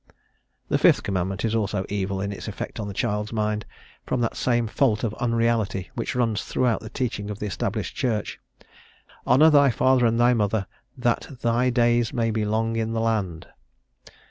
The fifth commandment is also evil in its effect on the child's mind from that same fault of unreality which runs throughout the teaching of the Established Church. "Honour thy father and thy mother _that thy days may be long in the land.